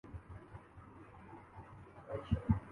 اس کے باوصف مذہب انسان کو انتخاب کا حق دیتا ہے۔